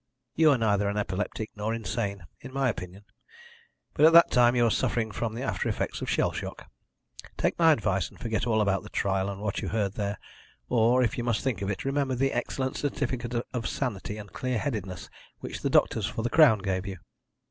You are neither an epileptic nor insane, in my opinion, but at that time you were suffering from the after effects of shell shock. Take my advice, and forget all about the trial and what you heard there, or, if you must think of it, remember the excellent certificate of sanity and clear headedness which the doctors for the Crown gave you!